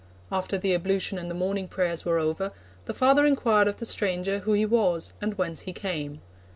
After the ablution and the morning prayers were over, the father inquired of the stranger who he was and whence he came.